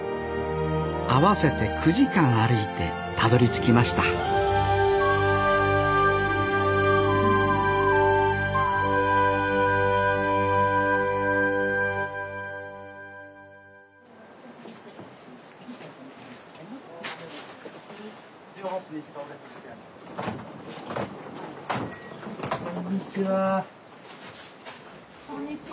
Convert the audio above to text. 合わせて９時間歩いてたどりつきましたこんにちは。